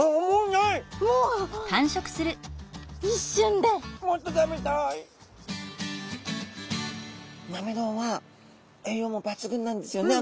なめろうは栄養も抜群なんですよね。